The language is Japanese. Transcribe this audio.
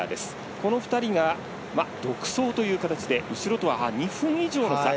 この２人が独走という形で、後ろとは２分以上の差。